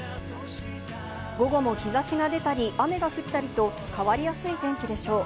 午後も日差しが出たり雨が降ったりと、変わりやすい天気でしょう。